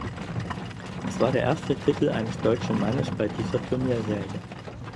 Es war der erste Titel eines deutschen Mannes bei dieser Turnierserie.